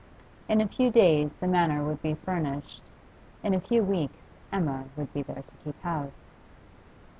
In a few days the Manor would be furnished; in a few weeks Emma would be there to keep house.